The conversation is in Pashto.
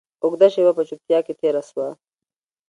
اوږده شېبه په چوپتيا کښې تېره سوه.